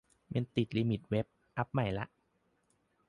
มันติดลิมิตเว็บ อัปใหม่ละ